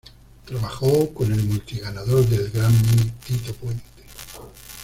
Trabajó con el multi-ganador del Grammy, Tito Puente.